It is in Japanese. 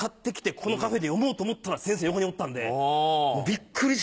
このカフェで読もうと思ったら先生横におったんでもうびっくりして！